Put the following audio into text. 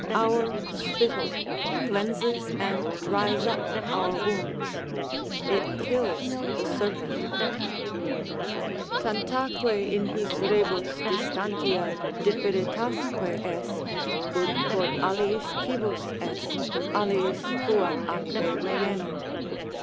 Our spittle cleanses and dries up our wounds; it kills the serpent: Tantaque in his rebas distantia differitasque est, Ut quod aliis cibus est, aliis fuat acre venenum.